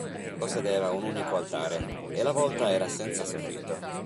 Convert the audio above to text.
Possedeva un unico altare e la volta era senza soffitto.